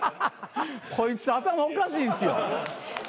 こいつ頭おかしいんすよ。